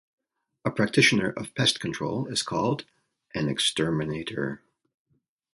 A practitioner of pest control is called an exterminator.